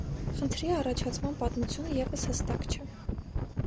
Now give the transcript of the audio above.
Խնդրի առաջացման պատմությունը ևս հստակ չէ։